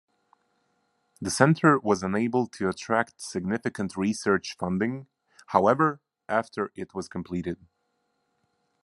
The center was unable to attract significant research funding, however, after it was completed.